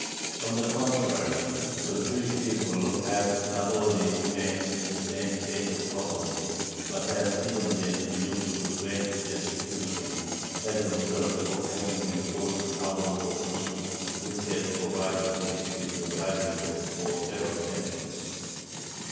On the contrary, the Jewish people "has not only remained in the same state of poverty, but has even been reduced to greater destitution, as a result of having been forced out of a pursuit which had provided it with a livelihood for several centuries."